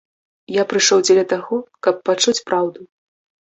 Я прыйшоў дзеля таго, каб пачуць праўду.